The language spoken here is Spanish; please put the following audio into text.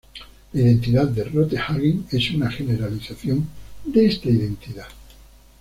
La identidad de Rothe-Hagen es una generalización de esta identidad.